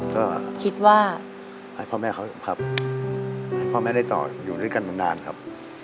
ก็คิดว่าให้พ่อแม่เขาครับให้พ่อแม่ได้ต่ออยู่ด้วยกันนานครับ